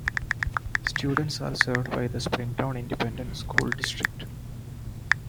Students are served by the Springtown Independent School District.